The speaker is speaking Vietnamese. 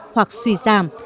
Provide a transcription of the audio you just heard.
hoặc suy giảm